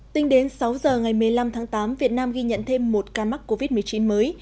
tính đến sáu giờ ngày một mươi năm tháng tám việt nam ghi nhận thêm một ca mắc covid một mươi chín mới